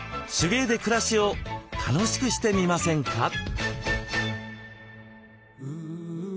手芸で暮らしを楽しくしてみませんか？